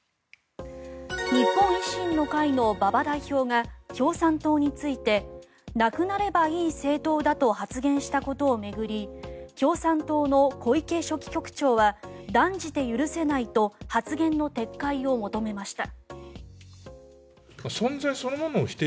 日本維新の会の馬場代表が共産党についてなくなればいい政党だと発言したことを巡り共産党の小池書記局長は断じて許せないと発言の撤回を求めました。